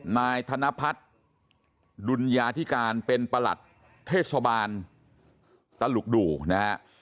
นายธนพัฒน์ดุญญาธิการเป็นประหลัดเทศบาลตลุกดูนะฮะ